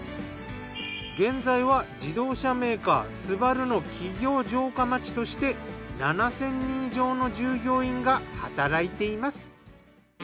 現在は自動車メーカーＳＵＢＡＲＵの企業城下町として７，０００人以上の従業員が働いています。